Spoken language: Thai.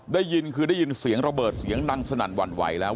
ได้ยินคือได้ยินเสียงระเบิดเสียงดังสนั่นหวั่นไหวแล้ว